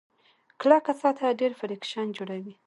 کلکه سطحه ډېر فریکشن جوړوي.